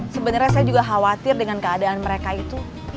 sebenarnya saya juga khawatir dengan keadaan mereka itu